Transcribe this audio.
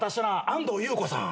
安藤優子さん。